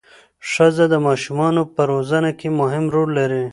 ښځه د ماشومانو په روزنه کې مهم رول لري